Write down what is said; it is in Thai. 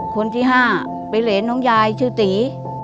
คนที่ห้าไปเหรียญน้องยายชื่อตี